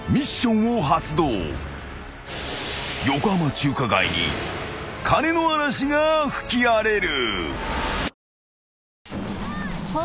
［横浜中華街に金の嵐が吹き荒れる］